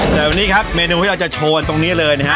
แต่วันนี้ครับเมนูที่เราจะโชว์ตรงนี้เลยนะฮะ